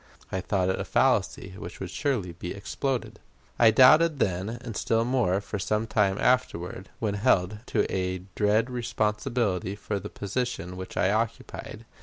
I thought it a fallacy which would surely be exploded. I doubted then, and still more for some time afterward, when held to a dread responsibility for the position which I occupied.